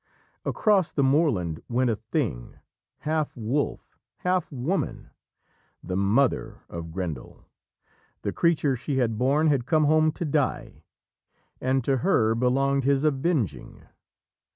Across the moorland went a thing half wolf, half woman the mother of Grendel. The creature she had borne had come home to die, and to her belonged his avenging.